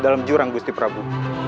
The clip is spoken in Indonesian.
dalam jurang gusti prabu